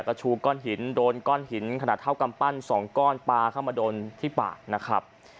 ก็ชูก้อนหินโดนก้อนหินขนาดเท่ากำปั้น๒ก้อนปลาเข้ามาโดนที่ปากนะครับ